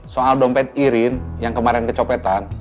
soal dompet irin yang kemarin kecopetan